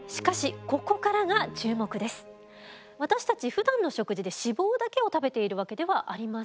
私たちふだんの食事で脂肪だけを食べているわけではありません。